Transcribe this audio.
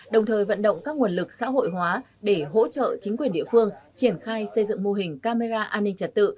đồng thời vận động các nguồn lực xã hội hóa để hỗ trợ chính quyền địa phương triển khai xây dựng mô hình camera an ninh trật tự